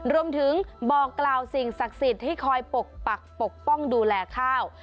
บอกกล่าวสิ่งศักดิ์สิทธิ์ที่คอยปกปักปกป้องดูแลข้าว